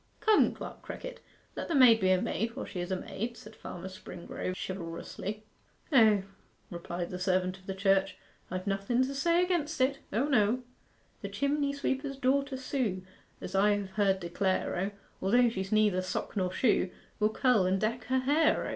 'Come, Clerk Crickett, let the maid be a maid while she is a maid,' said Farmer Springrove chivalrously. 'O,' replied the servant of the Church; 'I've nothen to say against it O no: '"The chimney sweeper's daughter Sue As I have heard declare, O, Although she's neither sock nor shoe Will curl and deck her hair, O."